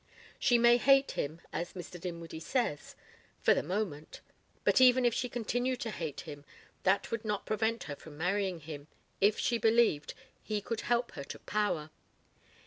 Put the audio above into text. She may hate him, as Mr. Dinwiddie says for the moment. But even if she continued to hate him that would not prevent her from marrying him if she believed he could help her to power.